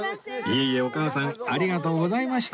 いえいえお母さんありがとうございました